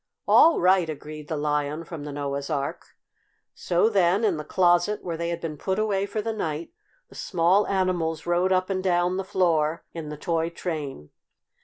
"All right!" agreed the Lion from the Noah's Ark. So then, in the closet where they had been put away for the night, the small animals rode up and down the floor in the toy train.